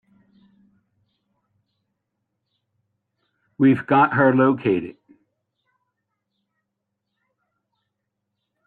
We've got her located.